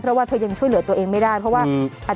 เพราะว่าเธอยังช่วยเหลือตัวเองไม่ได้เพราะว่า